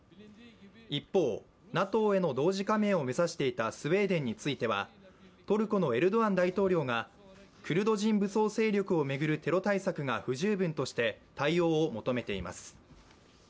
一方、ＮＡＴＯへの同時加盟を目指していたスウェーデンについては、トルコのエルドアン大統領がクルド人武装勢力を巡るテロ対策が不十分として対応を求めています。